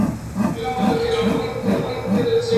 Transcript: Paul es el hijo mayor de Jim Robinson y Ann Daniels.